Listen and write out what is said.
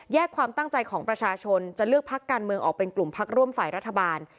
ความตั้งใจของประชาชนจะเลือกพักการเมืองออกเป็นกลุ่มพักร่วมฝ่ายรัฐบาล